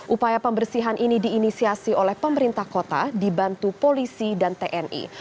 upaya pembersihan ini diinisiasi oleh pemerintah kota dibantu polisi dan tni